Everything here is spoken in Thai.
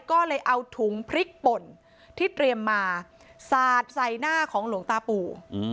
ก็เลยเอาถุงพริกป่นที่เตรียมมาสาดใส่หน้าของหลวงตาปู่